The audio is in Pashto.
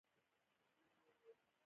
ماريا يو سيوری وليد.